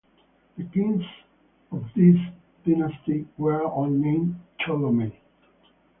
The kings of this dynasty were all named Ptolemy.